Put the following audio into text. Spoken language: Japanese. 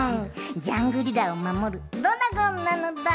ジャングリラをまもるドラゴンなのだ！